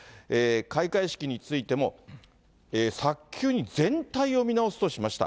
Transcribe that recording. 開会式についても、早急に全体を見直すとしました。